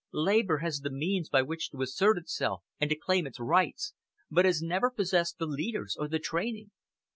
Labour has the means by which to assert itself and to claim its rights, but has never possessed the leaders or the training.